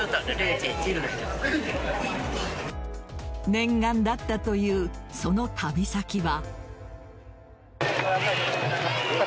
念願だったというその旅先は。